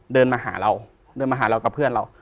เดินมาหาเรากับเพื่อนเรา